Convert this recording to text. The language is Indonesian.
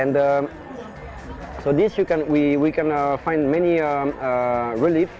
dan ini kita dapat menemukan banyak relif